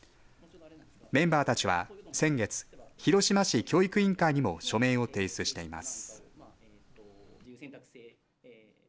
メンバーたちは先月広島市教育委員会にも署名を提出しています。